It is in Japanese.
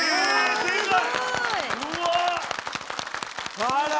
すごい。